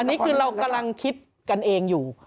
อันนี้คือเรากำลังคิดกันเองอยู่